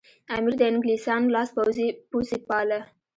امیر د انګلیسیانو لاس پوڅی باله.